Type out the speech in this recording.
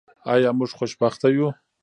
آیا موږ خوشبخته یو؟